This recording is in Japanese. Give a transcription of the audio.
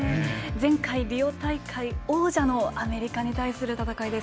前回、リオ大会王者のアメリカに対する戦いです。